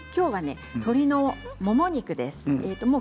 今日は鶏のもも肉です。